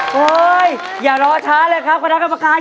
เฮ้ยอย่ารอเท้าเลยครับคุณพระคำคำลายฟ์